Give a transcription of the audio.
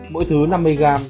mỗi thứ năm mươi g